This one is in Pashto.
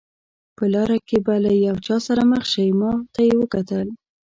په لاره کې به له یو چا سره مخ شئ، ما ته یې وکتل.